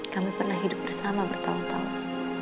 kami pernah hidup bersama bertahun tahun